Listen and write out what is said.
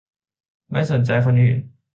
ไม่สนใจคนอื่น